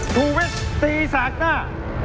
ทูวิทตีสากหน้า